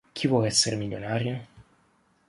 Chi vuol essere milionario?